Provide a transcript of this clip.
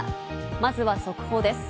まずは速報です。